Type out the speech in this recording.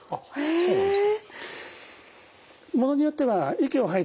そうなんです。